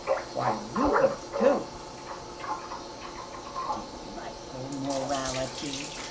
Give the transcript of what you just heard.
"Why are you here, too?..." "Delightful morality!"